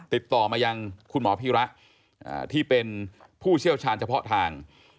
ติดต่อมายังคุณหมอพีระที่เป็นผู้เชี่ยวชาญเฉพาะทาง